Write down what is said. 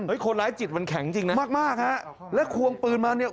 คนร้ายจิตมันแข็งจริงนะมากมากฮะแล้วควงปืนมาเนี่ย